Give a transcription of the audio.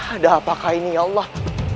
ada apakah ini ya allah